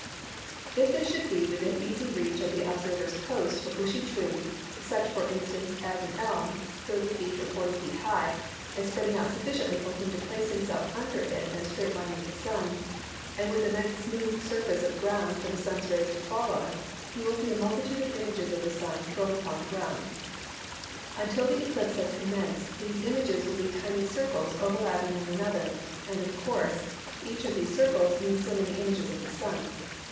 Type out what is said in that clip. If there should be within easy reach of the observer's post a bushy tree, such for instance as an elm, 30 ft. or 40 ft. high, and spreading out sufficiently for him to place himself under it in a straight line with the Sun, and with a nice smooth surface of ground for the sun's rays to fall on, he will see a multitude of images of the Sun thrown upon the ground. Until the eclipse has commenced these images will be tiny circles overlapping one another, and of course each of these circles means so many images of the Sun.